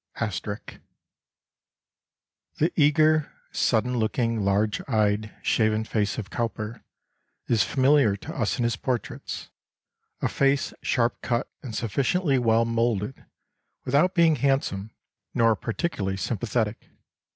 *] "The eager, sudden looking, large eyed, shaven face of Cowper is familiar to us in his portraits a face sharp cut and sufficiently well moulded, without being handsome, nor particularly sympathetic.